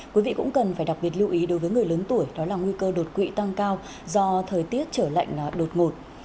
quý vị cũng cần phải đặc biệt lưu ý đối với người lớn tuổi đó là nguy cơ đột quỵ tăng cao do thời tiết trở lạnh đột ngột